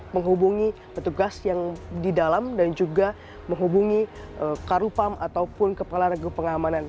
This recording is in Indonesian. menghubungi petugas yang di dalam dan juga menghubungi karupam ataupun kepala regu pengamanan